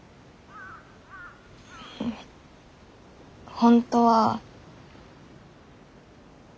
本当は。